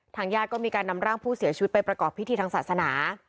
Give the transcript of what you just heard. ญาติก็มีการนำร่างผู้เสียชีวิตไปประกอบพิธีทางศาสนา